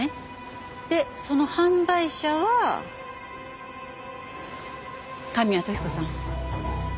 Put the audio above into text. でその販売者は神谷時子さん